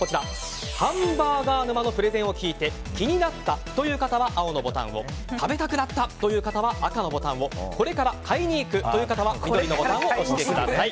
ハンバーガー沼のプレゼンを聞いて気になったという方は青のボタンを食べたくなったという方は赤のボタンをこれから買いに行くという方は緑のボタンを押してください。